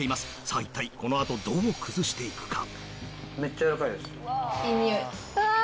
さぁ一体この後どう崩して行くか。